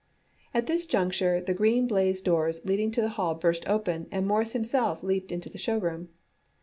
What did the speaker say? At this juncture the green baize doors leading into the hall burst open and Morris himself leaped into the show room.